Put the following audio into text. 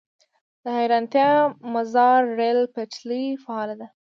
د حیرتان - مزار ریل پټلۍ فعاله ده؟